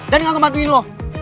dan gak kematuin lo